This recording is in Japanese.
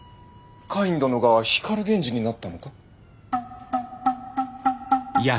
カイン殿が光源氏になったのか？